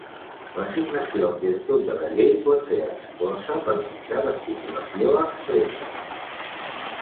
L'assignació en virtut de la llei pot ser exclosa per mitjà d'estipulació expressa.